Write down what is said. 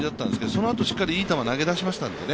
そのあとしっかりいい球を投げだしましたんでね。